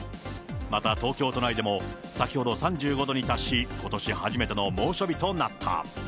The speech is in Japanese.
また東京都内でも、先ほど３５度に達し、ことし初めての猛暑日となった。